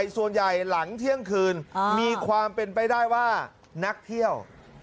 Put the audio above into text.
ส่วนใหญ่หลังเที่ยงคืนมีความเป็นไปได้ว่านักเที่ยว